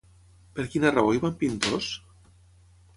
Per quina raó hi van pintors?